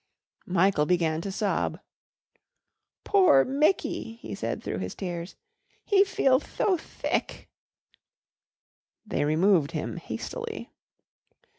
Michael began to sob. "Poor Micky," he said through his tears. "He feelth tho thick." They removed him hastily.